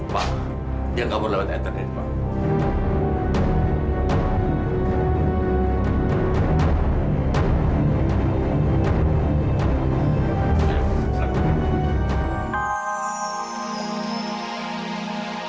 pah dia gak mau lewat internet pak